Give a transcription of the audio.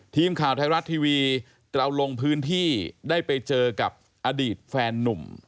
ทีมข่าวไทยรัฐทีวีเราลงพื้นที่ได้ไปเจอกับอดีตแฟนนุ่ม